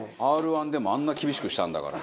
Ｒ−１でもあんな厳しくしたんだから。